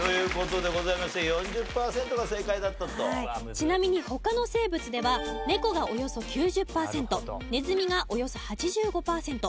ちなみに他の生物ではネコがおよそ９０パーセントネズミがおよそ８５パーセント